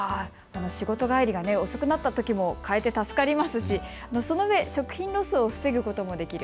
仕事帰りが遅くなったときも助かりますしそのうえ食品ロスを防ぐこともできる。